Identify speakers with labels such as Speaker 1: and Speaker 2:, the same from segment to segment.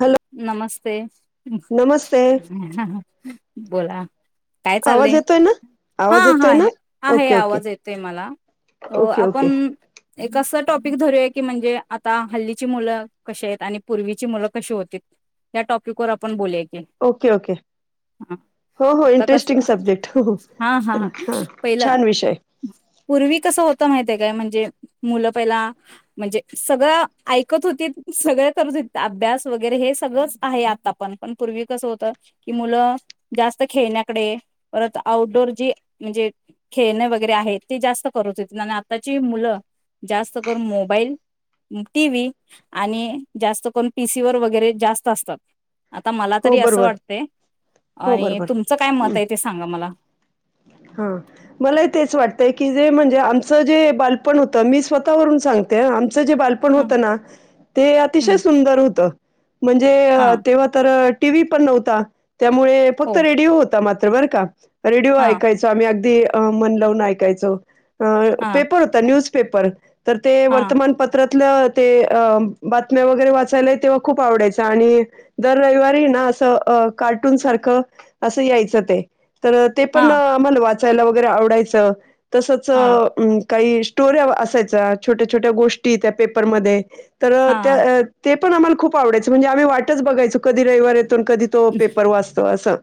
Speaker 1: Hello
Speaker 2: नमस ते
Speaker 1: नमस्ते
Speaker 2: [unintelligible] काय
Speaker 1: आवाज
Speaker 2: चाललंय
Speaker 1: येतोय ना
Speaker 2: हा
Speaker 1: आवाज
Speaker 2: हा
Speaker 1: येतोय ना
Speaker 2: आहे
Speaker 1: ओके ओके
Speaker 2: आवाज येतोय मला
Speaker 1: ओके ओके
Speaker 2: आपण एक अस टॉपिक धरूय की म्हणजे आता हल्लीची मुलं कशी आहेत आणि पूर्वीची मुलं कशी होत या टॉपिक वर आपण बोलूया
Speaker 1: ओके ओके हो हो
Speaker 2: आता कस
Speaker 1: इंटरेस्टिंग सब्जेक्ट हो हो
Speaker 2: हा हा
Speaker 1: चला हां
Speaker 2: पहिलं
Speaker 1: छान विषय
Speaker 2: पूर्वी कस होत माहिती का म्हणज मुल म्हणजे सगळ ऐकत होती सग करत अभ्यास व वरे हे सगळंच आहे आता पण पण पूर्वी कसं होत की हे सगळंच आहे पण आता कसं मुलं जास्त खेळण्याकडे परत आउटडोर जी म्हणजे खेळणे वगैरे आहे ते जास्त करत हो आणि आताची मुलं जास्त करून मोबाईल, टीव्ही आणि जास्त करून पीसीवर व वगैरे जास्त असतात
Speaker 1: हो
Speaker 2: तरी असं
Speaker 1: बरोबर
Speaker 2: वाटतय
Speaker 1: हो
Speaker 2: आणि
Speaker 1: बरोबर
Speaker 2: तुमचं काय मत आहे ते सांगा मला
Speaker 1: हा मला तेच वाटतय की जे म्हणज जे आमचं जे बालपण होतं मी स्वतःवरून सांगते. आमचं जे बालपण
Speaker 2: ह
Speaker 1: होत ना ते अतिशय
Speaker 2: हम्म
Speaker 1: सुंदर होतं. म्हणजे
Speaker 2: हा
Speaker 1: तेव्हा तर टीव्ही पण नव्हता. त्यामुळे फक्त
Speaker 2: हो
Speaker 1: रेडिओ होता मात्र बरं का रेडिओ
Speaker 2: हा
Speaker 1: ऐकायच आम्ही अगदी अ म्न लावून ऐकायचं
Speaker 2: हा
Speaker 1: पेपर होता न्यूज पेपर तर ते
Speaker 2: हा
Speaker 1: वर्तमानपत्रात बातम्या वगैरे वाचायला तेव्हा खूप आवडायचं आणि दर रविवारी अस कार्टून सारख अस यायचं ते तर ते पण
Speaker 2: हा
Speaker 1: आम्हाला वा यला वगैरे आवडायचं तसच
Speaker 2: हा
Speaker 1: काही स्टोरी असायचा छोट्या छोट्या गोष्टी त्या पेपरमध्ये तर
Speaker 2: हा
Speaker 1: त्या ते पण आम्हाला खूप आवडायचं म्हणजे आम्ही वाटच बघायचो कधी रविवार येतय ते कधी तो पेपर वाचतो, असं.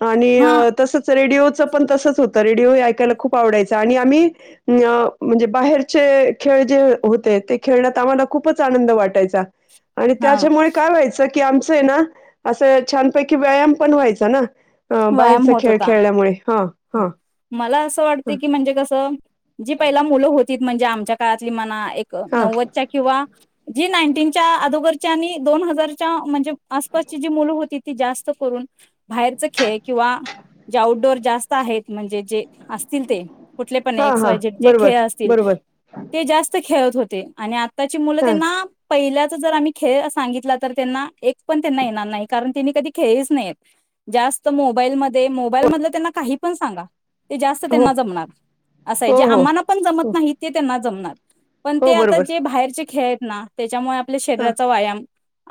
Speaker 1: [unintelligible] आणि तसच रेडिओ च पण तसच होत. रेडिओ ऐकायला खूप आवडायचा आणि आम्ही म्हणजे बाहेरचे खेळ जे होते ते खेळण्यात आम्हाला खूपच आनंद वाटायचा. आणि
Speaker 2: हा
Speaker 1: त्याच्यामुळे काय व्हायचं? की आमचय ना, असं छानपैकी व्यायाम पण व्हायचा ना. अ,
Speaker 2: व्यायाम
Speaker 1: बाहेरचा
Speaker 2: होत
Speaker 1: खेळ
Speaker 2: होता.
Speaker 1: खेळल्यामुळे. हां, हां,
Speaker 2: मला असं वाटते
Speaker 1: हां,
Speaker 2: की म्हणजे कस, जी पहिला मुलं होतीत म्हणजे आमच्या [unintelligible] एक
Speaker 1: हां,
Speaker 2: नव्वदच्या किंवा जी नाईटीनच्या अगोदरची आणि दोन हजारच्या म्हणजे आसपासची जी मुलं होती ती जास्त करून बाहेरच ख खेळ किंवा जे आउटडोअर जास्त आहेत, म्हणजे जे असतील ते. कुठले पण
Speaker 1: हां,
Speaker 2: एक्स
Speaker 1: हां.
Speaker 2: वाय झेड, जे
Speaker 1: बरोबर,
Speaker 2: खेळ असतील
Speaker 1: बरोबर.
Speaker 2: ते जास्त खेळत होते. ते आणि आ त्ताची मुलं
Speaker 1: हां.
Speaker 2: त्यांना पहिल्याच जर आम्ही खेळ सांगितला तर, त्यांना एक पण त्यांना येणार नाही. कारण त्यांनी कधी खेळीच नाही. जास्त त मोबाईल मध्ये मोबाईल मधलं त्यांना काही पण सांगा, ते जास्त
Speaker 1: हो,
Speaker 2: त्यांना जमणार, असं आहे.
Speaker 1: हो,
Speaker 2: जे
Speaker 1: हो.
Speaker 2: आम्हाना पण
Speaker 1: हो,
Speaker 2: जमत नाही ते त्यांना जमणार. पण ते
Speaker 1: हो.
Speaker 2: आता
Speaker 1: बरोबर.
Speaker 2: जे बाहेरचे खेळेतना त्याच्यामुळे आपल्या
Speaker 1: हां.
Speaker 2: शरीराचा व्यायाम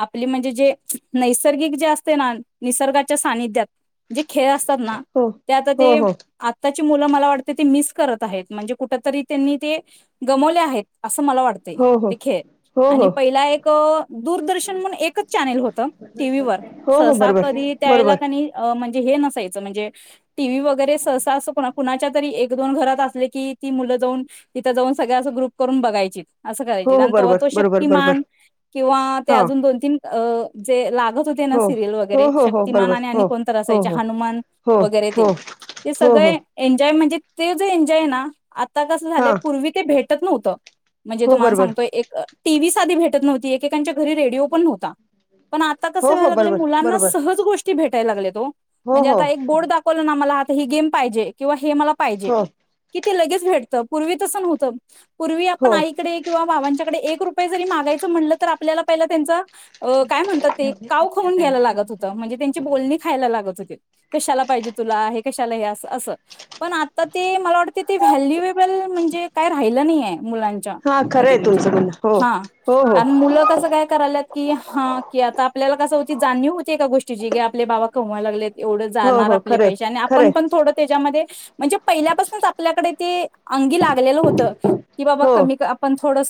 Speaker 2: आपले म्हणजे जे नैसर्गिक जे असते ना निसर्गाच्या सानिध्यात, जे खेळ असतात ना,
Speaker 1: हो
Speaker 2: ते आता
Speaker 1: हो
Speaker 2: ते
Speaker 1: हो
Speaker 2: आता ची मुले मला वाटतं ते मिस करत आहेत. म्हणजे कुठ तरी त्यांनी ते गमावलं आहे. असं मला वाटतंय.
Speaker 1: हो हो
Speaker 2: ते खेळ
Speaker 1: हो
Speaker 2: आणि
Speaker 1: हो
Speaker 2: पहिला एक दूरदर्शन म्हणून एकच चॅनेल होत टीव्हीवर.
Speaker 1: हो हो
Speaker 2: सहसा
Speaker 1: बरोबर
Speaker 2: कधी त्याळेला
Speaker 1: बरोबर
Speaker 2: कणी म्हणजे हे नसायच, म्हणजे टी व्ही वगैरे सहसा असं कुणाच्या तरी एक दोन घरात असले की, ती मुलं जाऊन तिथं जाऊन सगळ्या असं ग्रुप करून बघायची. असं करायची
Speaker 1: हो हो
Speaker 2: आणि तव्हा
Speaker 1: बरोबर
Speaker 2: तो
Speaker 1: बरोबर
Speaker 2: शक्तिमान
Speaker 1: बरोबर
Speaker 2: किंवा ते
Speaker 1: हां
Speaker 2: अजून दोन तीन अ जे लाग गत होते ना
Speaker 1: हो
Speaker 2: सिरियल
Speaker 1: हो
Speaker 2: वगैरे
Speaker 1: हो हो
Speaker 2: शक्तमान
Speaker 1: बरोबर
Speaker 2: आणि आणि
Speaker 1: हो
Speaker 2: कोणतर असाय
Speaker 1: हो हो
Speaker 2: हनुमान
Speaker 1: हो
Speaker 2: वगेरे ते.
Speaker 1: हो
Speaker 2: ते
Speaker 1: हो हो
Speaker 2: सगळे एन्जॉय म्हणजे ते जे एन्जॉय ना आता कसं झालंय
Speaker 1: हां
Speaker 2: पूर्वी ते भेट नव्हतं म्हणजे
Speaker 1: हो
Speaker 2: तुम्हाला
Speaker 1: बरोबर
Speaker 2: सांगतोय एक टी व्ही साध भेटत नव्हती एकेकांच्या घरी रेडिओ पण नव्हता पण आता कस
Speaker 1: हो हो
Speaker 2: व्हायलय
Speaker 1: बरोबर
Speaker 2: मुलांना
Speaker 1: बरोबर
Speaker 2: सहज भेट टय लागले तो
Speaker 1: हो
Speaker 2: म्हणजे
Speaker 1: हो
Speaker 2: आता एक बोट दाखवलं ना मला हात ही गेम पाहिजे किंवा हे मला पाहिजे
Speaker 1: हो
Speaker 2: कि ते लगेच भेटतं पूर्वी तसं नव्हतं पूर्वी आपण
Speaker 1: हो
Speaker 2: आईकडे किंवा भावांच्याकडे एक रुपये जरी मागायचं म्हणलं तर आपल्याला पहिला त्याचं पण काय म्हणतात ते काव खाऊन घ्यायला लागत होत म्हणजे खयला लागत हो कशाला पाहिजे तु हे कशला अस पण आता ते मला वाटते ते व्हॅल्युएबल म्हणजे काय राहिलं नाहीय मुलांच्या
Speaker 1: हां खरं
Speaker 2: मध्ये
Speaker 1: आहे
Speaker 2: म्हणजे
Speaker 1: तुमचं म्हणणं हो
Speaker 2: हा
Speaker 1: हो हो
Speaker 2: कारण मुलं कस काय करालात कि हा कि आता आपल्याला कस होती जाणीव होती एका गोष्टीची आपले बाबा कमवाय लागले एवढं
Speaker 1: हो
Speaker 2: जाणार
Speaker 1: हो
Speaker 2: आपले
Speaker 1: खरं
Speaker 2: पैसे आणि
Speaker 1: आहे खरं
Speaker 2: आपण पण
Speaker 1: आहे
Speaker 2: थोडं त्याच्यामध्ये म्हणजे पहिल्यापासूनच आपल्याकडे ते अंगी लागलेलं होतं की बाबा
Speaker 1: हो
Speaker 2: कमी आपण थोडं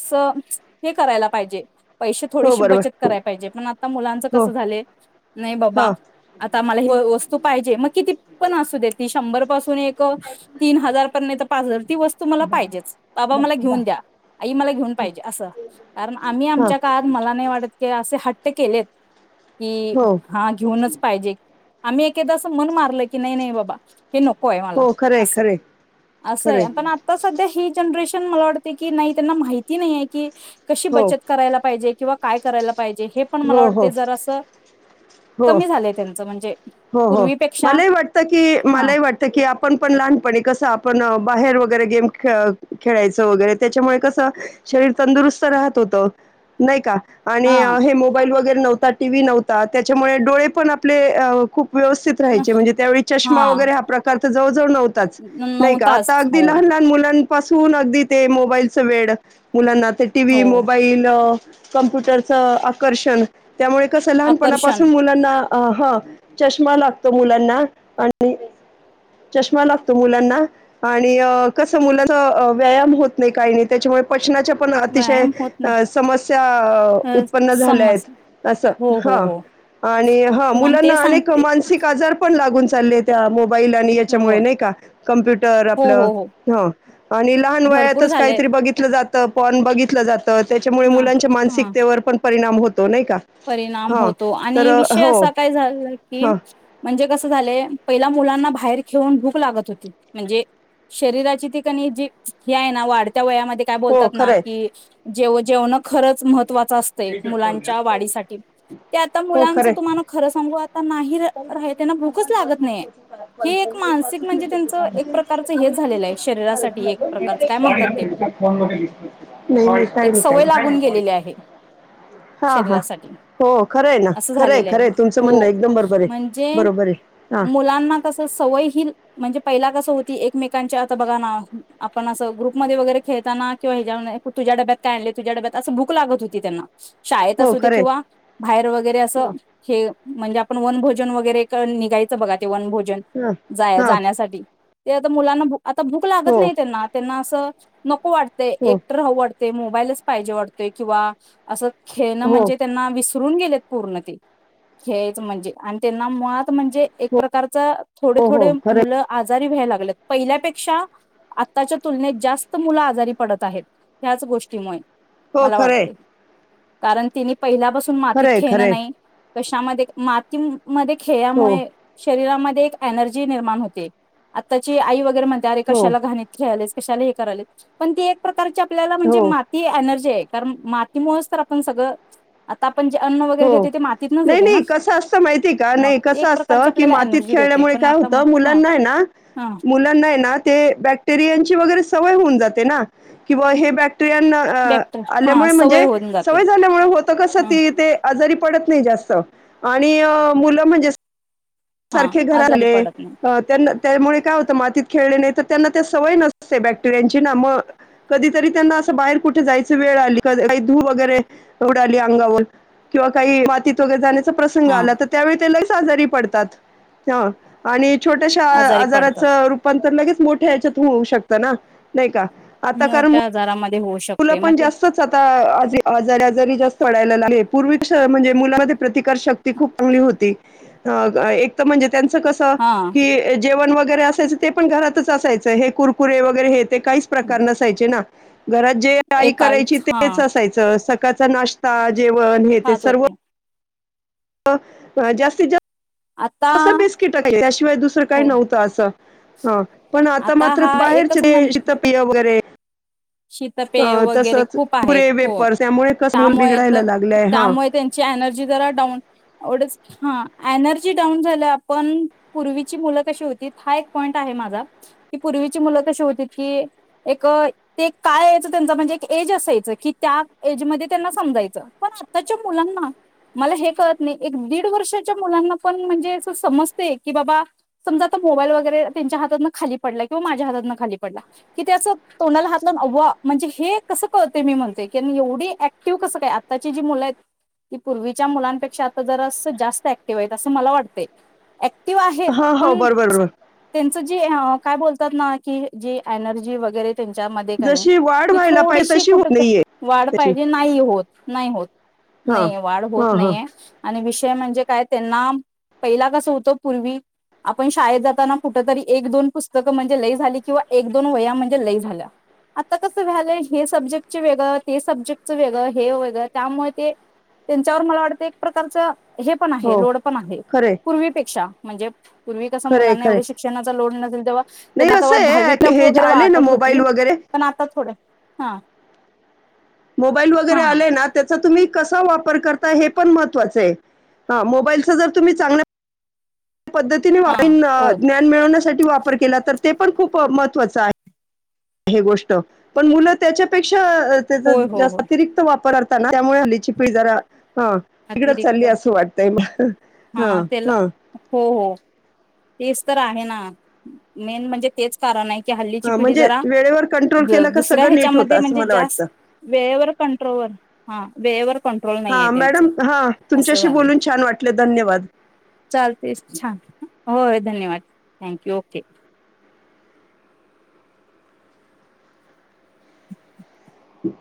Speaker 2: हे करायला पाहिजे पैसे
Speaker 1: हो
Speaker 2: थोडीशी
Speaker 1: बरोबर
Speaker 2: बचत कराय पाहिजे पण आता मुलांच
Speaker 1: हो
Speaker 2: कसं झाले नाही बाबा
Speaker 1: हां
Speaker 2: आता मला ही वस्तू पाहिजे मग किती पण असू दे ती. शंभर पासून एक तीन हजार पर्यंत पाचगणी ती वस्तू मला पाहिजेच बाबा मला घेऊन दया आई मला घेऊन पाहिजे अस आणि
Speaker 1: हां
Speaker 2: आमच्या काळात मला नाही वाटत आम्ही असे हट्ट ते केलेत
Speaker 1: हो
Speaker 2: हा घेऊनच आम्ही एक एकेकदा असं मन मारलं की नाही-नाही बाबा [unintelligible] हे नको आहे मला
Speaker 1: हो खरं आहे
Speaker 2: असं
Speaker 1: खरं आहे खरं
Speaker 2: असंय
Speaker 1: आहे
Speaker 2: पण आता सध्या हे जनरेशन. मला वाटते की नाही त्यांना माहिती नाहीय की कशी
Speaker 1: हो
Speaker 2: बचत करायला पाहिजे किंवा काय करायला पाहिजे हे पण मला
Speaker 1: हो हो
Speaker 2: वाटतय जर
Speaker 1: हो
Speaker 2: कमी झालय. चम्हणजे
Speaker 1: हो हो मलाही वाटतं की
Speaker 2: हा
Speaker 1: मलाही वाटतं की आपण पण लहानपणी कसं आपण. बाहेर वगैरे गेम खेळ खेळायचं वगैरे त्याच्यामुळे कसं शरीर तंदुरुस्त राहत होतं नाही का? आणि
Speaker 2: हा
Speaker 1: हे मोबाईल वगैरे- नव्हता टीव्ही नव्हता त्याच्यामुळे डोळे पण आपले- खूप व्यवस्थित राहाचे म्हणजे त्यावेळी चष्मा वगैरे हा प्रकार- जवळ जवळ नवते. नाही
Speaker 2: नऊ
Speaker 1: का
Speaker 2: तास
Speaker 1: आता
Speaker 2: हो
Speaker 1: अगदी लहान लहान मुलां- पासून अगदी ते मोबाईलच वेड मुलांना. ते टीव्ही
Speaker 2: हो
Speaker 1: मोबईल कम्प्युटरचं आकर्षण. त्यामुळे कसं
Speaker 2: आकर्षण
Speaker 1: लहानपणापासून मुलांना अ हा चष्मा लागतो मुलांना आणि चष्मा लागतो मुलांना आणि कसं मुलाचा व्यायाम होत नाही काही नाही त्याच्यामुळे पचनाच्या. पण अतिशय
Speaker 2: व्यायाम होत
Speaker 1: समस्या
Speaker 2: नाही
Speaker 1: उत्पन्न झाल्या
Speaker 2: समज
Speaker 1: आहेत अस
Speaker 2: हो
Speaker 1: ह
Speaker 2: हो हो
Speaker 1: आणि ह
Speaker 2: तुम्हाला
Speaker 1: मुलांना
Speaker 2: ते
Speaker 1: अनेक-
Speaker 2: सांगते
Speaker 1: मानसिक आजार पण लागून चाललत्या फाईल आणि
Speaker 2: हो
Speaker 1: याच्यामुळे नाही का कंप्युटर
Speaker 2: हो हो
Speaker 1: आपलं
Speaker 2: हो
Speaker 1: अ आणि लहान
Speaker 2: भरपूर
Speaker 1: वयातच
Speaker 2: झालेत
Speaker 1: काहीतरी बघितल जात त पन बघितलं जात त त्याच्यामुळे
Speaker 2: हा
Speaker 1: मुलांच्या
Speaker 2: हा
Speaker 1: मानसिकतेवर पण परिणाम होत
Speaker 2: परिणाम होतो आणि विषय
Speaker 1: हो
Speaker 2: असा काय झाला कि
Speaker 1: हां
Speaker 2: म्हणजे कस झालेय पहिला मुलांना बाहेर खेऊन भूक लागत होती म्हणजे शरीराची तिकणी जी हे आहे ना वाढते त्या वयामध्ये काय
Speaker 1: हो
Speaker 2: बोलतात ना
Speaker 1: खरं आहे
Speaker 2: कि जेव जेवणं खरंच म महत्त्वाचा असतय मुलांच्या वाडी ते आता
Speaker 1: हो
Speaker 2: मुलांच
Speaker 1: खरंय
Speaker 2: तुम्हाला खरं सांगू आता नाही रा त्यांना भूकच लागत नाही हे एक मानसिक म्हणजे त्यांच एक प्रकारच हे झालेलं आहे शरीरासाठी एक प्रकारच काय म्हणतात ते
Speaker 1: नाही नाही
Speaker 2: -
Speaker 1: काही
Speaker 2: एक
Speaker 1: नाही काही
Speaker 2: सवय लागून
Speaker 1: नाही.
Speaker 2: गेलेली आहे
Speaker 1: हा हा. हो खरंय ना
Speaker 2: अस
Speaker 1: खरंय
Speaker 2: झालेलं आहे
Speaker 1: खरंय तुमचं म्हणणं
Speaker 2: होय
Speaker 1: एकदम बरोबर आहे
Speaker 2: म्हणजे
Speaker 1: बरोबर आहे हा
Speaker 2: मुलांना कस सवय ही म्हणजे. पहिला कसं होती एकमेकांच्या आता बघा ना आपण असं ग्रुपमध्ये वगैरे खेळताना किंवा ह्याच्या तुझ्या डब्यात काय आणले तुझ्या डब्यात असं भूक लागत होती त्यांना शाळेत
Speaker 1: हो
Speaker 2: असू दे
Speaker 1: खरंय
Speaker 2: बाहेर वगैरे अस
Speaker 1: हा
Speaker 2: हे म्हणजे आपण वन भोजन वगैरे करून निघायचं बघा. ते वन भोजन
Speaker 1: हा
Speaker 2: जाय
Speaker 1: हा
Speaker 2: जाण्यासाठी ते आता मुलांना भूक आता भूक लागत
Speaker 1: हो
Speaker 2: नाही त्यांना त्यांना स नको. नको वाटतय
Speaker 1: हो
Speaker 2: एकट राहू वाटतय वायलाच पाहिजे वाटतय किंवा असं खेळणं
Speaker 1: हो
Speaker 2: म्हणजे.
Speaker 1: हो
Speaker 2: त्यांना विसरून गेलेत पूर्ण ते खेळायच म्हणजे आणि त्यांना मुळात म्हणजे एक प्रकारच थोडे
Speaker 1: हो
Speaker 2: थोडे
Speaker 1: हो खरंय
Speaker 2: मुलं आजारी. वह्यालागल्यात पहिल्यापेक्षा आताच्या तुलनेत जास्त मुलं आजारी पडत आहेत हयाच गोष्टीमुळे.
Speaker 1: हो
Speaker 2: मला
Speaker 1: खरंय
Speaker 2: वाटतय. कारण तिने पहिल्यापासून मातीत
Speaker 1: खरंय
Speaker 2: खेळणं
Speaker 1: खरंय
Speaker 2: नाही. कशामध्ये मातीम मध्ये
Speaker 1: हो
Speaker 2: खेळल्यामुळे शरीरामध्ये ते एक एनर्जी निर्माण होते. आताची आई वगैरे तर म्हणते अरे
Speaker 1: हो
Speaker 2: कशाला घाणी खेळायलायस. कशाला हे कराले पण ते एक प्रकारच्या आपल्याला म्हणजे
Speaker 1: हो
Speaker 2: माती एनर्जी ये. कारण मातीमुळेच तर आपण सगळं आता आपण जे अन्न वगैरे
Speaker 1: हो
Speaker 2: घेते ते मातीतनच
Speaker 1: नाही,
Speaker 2: येते ना
Speaker 1: नाही, कस असत माहिती का?
Speaker 2: मग
Speaker 1: नाही कसं
Speaker 2: एक
Speaker 1: असत?
Speaker 2: प्रकारची
Speaker 1: की
Speaker 2: आपल्याला
Speaker 1: मातीत
Speaker 2: एनर्जी देते
Speaker 1: खेळल्यामुळे
Speaker 2: पण
Speaker 1: काय
Speaker 2: आता मग
Speaker 1: होतं?
Speaker 2: हा
Speaker 1: मुलांना ना
Speaker 2: हा
Speaker 1: मुलांना ना ते बॅक्टेरियाची वगैरे सवय होऊन जाते ना कीबुवा हे बॅक्टे स्रियांना
Speaker 2: बॅक्टर हा
Speaker 1: आल्यामुळे
Speaker 2: सवय
Speaker 1: म्हणजे
Speaker 2: होऊन जाते
Speaker 1: सवय झाल्यामुळे होत कस
Speaker 2: ह
Speaker 1: ती ते तरी पडत नाही जास्त आणि मुलं म्हणजे
Speaker 2: हा
Speaker 1: सारखे घरात
Speaker 2: आजारी
Speaker 1: आले
Speaker 2: पडत नाही
Speaker 1: त्यामुळे काय होतं मातीत खेळले नाही तर त्याला सवय नसते बॅक्टेरियांची, मग कधीतरी त्यांना बाहेर कुठ जायची वेळ आली काही धूळ वगैरे उडाली अंगावर किंवा काही मातीत वगैरे जाण्याची प्रसंग
Speaker 2: हा
Speaker 1: आला तर त्यावेळी त्याला आजारी पडतात. हा. आणि छोट्याशा
Speaker 2: आजारी पडतात
Speaker 1: आजाराचं रूपांतर लगेच मोठ ह्याच्यात होऊ शकत ना, नाही का? आता कारण
Speaker 2: मोठ्या आजारामध्ये होऊ
Speaker 1: मुलं
Speaker 2: शकते मग
Speaker 1: पण
Speaker 2: ते
Speaker 1: जास्तच आता आ आजारी आजारी पडायला पूर्वी कसं म्हणजे मुलांमध्ये प्रतिकार शक्ती खूप चांगली होती अ एक तर म्हणजे त्यांच कस
Speaker 2: हा
Speaker 1: की जेवण वगैर- वगैरे असायचं. ते पण घरातच असायचं. हे कुरकुरे वगैरे ते काहीच प्रकार नसायचे ना. घरात जे आई
Speaker 2: एक
Speaker 1: करायची
Speaker 2: काहीच हा
Speaker 1: तेच असायचं सकाळचा नाश्ता जेवण हे ते
Speaker 2: खात
Speaker 1: सर्व
Speaker 2: होते
Speaker 1: ह जास्तीत जास्त
Speaker 2: आता
Speaker 1: तसं बेस्ट कीटक आहे. त्याशिवाय दुसरं काही
Speaker 2: हो
Speaker 1: नव्हतं असं. ह पण आता मात्र
Speaker 2: हा एकच म्हण
Speaker 1: बाहेरचे शितपेये वगैरे अ,
Speaker 2: शीतपेय वगैरे
Speaker 1: तसंच
Speaker 2: खूप आहेत.
Speaker 1: कुरे
Speaker 2: होय,
Speaker 1: वेपर्स त्यामुळे कसं मूल
Speaker 2: त्यामुळे
Speaker 1: बिघडायला
Speaker 2: तर
Speaker 1: लागलंय हां.
Speaker 2: त्यामुळे त्यांची एनर्जी जरा डाऊन एवढच -हा. एनर्जी डाऊन झाल्या, पण पूर्वीची मुलं कशी होती? हा एक पॉईंट आहे माझा, की पूर्वीची मुलं कशी होती की एक ते काय यायच त्यांचा म्हणजे एज असायच की, त्या एज मध्ये त्यांना समजायचं, पण आताच्या मुलांना मला हे कळत नाही. एक दीड वर्षाच्या मुलांना पण म्हणजे अस समजते की बाबा समजा आता मोबाईल वगैरे त्यांच्या हातात खाली पडलाय किंवा माझ्या हातातन खाली पडला कि ते असं तोंडाला हात म्हणजे हे कस कळतंय मी म्हणते? एवढी ऍक्टिव्ह कस काय आताची जी मुल आहेत, ती पूर्वीच्या मुलांपेक्षा जरास जास्त ऍक्टिव्ह आहेत अस मला वाटतय. ते आहे
Speaker 1: हां, हो.
Speaker 2: पण-
Speaker 1: बरोबर, बरोबर.
Speaker 2: त्यांच जे- काय बोलतात ना की जे एनर्जी वगैरे त्यांच्या-
Speaker 1: जशी वाढ व्हायला पाहिजे
Speaker 2: थोडीशी
Speaker 1: तशी होत नाहीये
Speaker 2: कुठंतरी यायला
Speaker 1: त्याची.
Speaker 2: पायजे. नाही होत, नाही होत,
Speaker 1: हां.
Speaker 2: नाही वाढ होत
Speaker 1: हां, हां.
Speaker 2: नाहीये आणि विषय म्हणजे - काय त्यांना पहिला कस होतं पूर्वी आपण शाळेत जाताना कुठ तरी एक दोन पुस्तकं म्हणजे लई झाली किंवा एक दोन वह्या म्हणजे लई झाल्या. आता कसं व्हायलंय? हे सब्जेक्टच वेगळं ते सब्जेक्टचं वेगळं. हे वेगळं त्यामुळे ते त्यांच्यावर मला वाटतं एक प्रकारचं- हे पण आहे
Speaker 1: हो.
Speaker 2: लोड पण आहे
Speaker 1: खरंय,
Speaker 2: पूर्वीपेक्षा म्हणजे पूर्वी कस?
Speaker 1: खरंय,
Speaker 2: मुलांना
Speaker 1: खरंय.
Speaker 2: एवढे शिक्षणाचा लोड नसेल. तेव्हा
Speaker 1: नाही
Speaker 2: त्यांना
Speaker 1: कसं
Speaker 2: तेव्हा
Speaker 1: आहे
Speaker 2: दहावी
Speaker 1: ॲक्चुअली
Speaker 2: टफ
Speaker 1: हे जे
Speaker 2: वगैरे
Speaker 1: आले ना
Speaker 2: वाटत
Speaker 1: मोबाईल
Speaker 2: होती-
Speaker 1: वगैरे,
Speaker 2: थोड, हा.
Speaker 1: मोबाईल वगैरे
Speaker 2: हा हा
Speaker 1: आलेय ना त्या- तुम्ही कसा वापर करताय? हे पण महत्वाच आहे. हां मोबाईलचा जर तुम्ही चांगल्या- पद्धतीने वा
Speaker 2: हा हो
Speaker 1: ज्ञान मिळवण्यासाठी- वापर केला तर ते पण खूप महत्वाचं आहे. ही गोष्ट पण मुलं त्याच्यापेक्षा - त त्याचा
Speaker 2: होय हो
Speaker 1: जास्त
Speaker 2: होय
Speaker 1: अतिरिक्त वापर- त्यामुळे हल्लीची पिढी जरा हा तिकडं
Speaker 2: अतिरिक्त
Speaker 1: चालली असं वाटतंय म हा हा
Speaker 2: हो हो तेच तर आहे ना मेन म्हणजे तेच कारण आहे कि हल्लीची
Speaker 1: हां,
Speaker 2: पिढी
Speaker 1: म्हणजे
Speaker 2: जरा
Speaker 1: वेळेवर कंट्रोल केला का
Speaker 2: दुसऱ्या
Speaker 1: सगळं नीट
Speaker 2: ह्याच्यामध्ये
Speaker 1: होतं असं
Speaker 2: म्हणजे
Speaker 1: मला
Speaker 2: जास्त
Speaker 1: वाटतं.
Speaker 2: वेळेवर कंट्रोल हा वेळेवर कंट्रोल नाही आहे
Speaker 1: हां,
Speaker 2: त्यांच
Speaker 1: मॅडम हां,
Speaker 2: असं
Speaker 1: तुमच्याशी
Speaker 2: झाले
Speaker 1: बोलून छान वाटलं. धन्यवाद.
Speaker 2: चालते छान हो धन्यवाद थँक्यू ओके
Speaker 1: हम